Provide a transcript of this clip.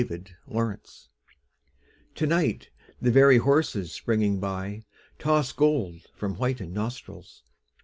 WINTER EVENING To night the very horses springing by Toss gold from whitened nostrils.